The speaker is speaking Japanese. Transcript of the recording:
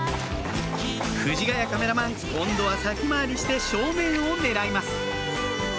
藤ヶ谷カメラマン今度は先回りして正面を狙います